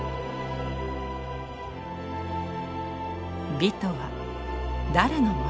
美とは誰のものなのか。